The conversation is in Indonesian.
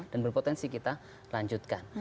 dan berpotensi kita lanjutkan